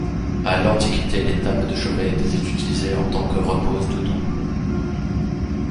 A l'Antiquité, les tables de chevet étaient utilisées en tant que repose-doudou.